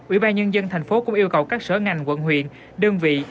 ủy ban nhân dân thành phố cũng yêu cầu các sở ngành quận huyện đơn vị